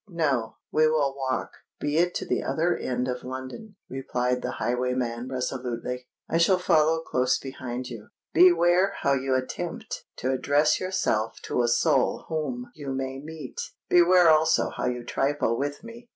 "No—we will walk, be it to the other end of London," replied the highwayman resolutely. "I shall follow close behind you:—beware how you attempt to address yourself to a soul whom you may meet—beware also how you trifle with me.